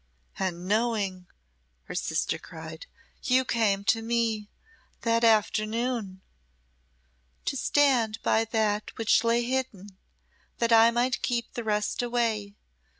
"And knowing," her sister cried, "you came to me that afternoon!" "To stand by that which lay hidden, that I might keep the rest away.